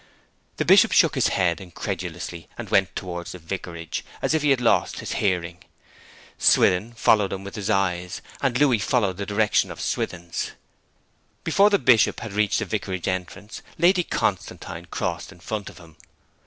The Bishop shook his head incredulously and went towards the vicarage, as if he had lost his hearing. Swithin followed him with his eyes, and Louis followed the direction of Swithin's. Before the Bishop had reached the vicarage entrance Lady Constantine crossed in front of him.